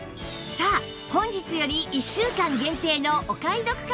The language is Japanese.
さあ本日より１週間限定のお買い得価格にも大注目！